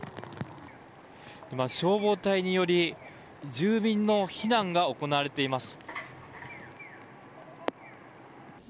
今、消防隊により住民の避難が行われています。